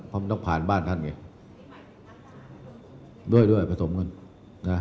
เพราะมันต้องผ่านบ้านท่านไงด้วยด้วยผสมกันนะ